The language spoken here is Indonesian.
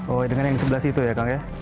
oh dengan yang sebelah situ ya kang ya